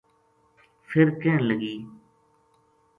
فر کہن لگی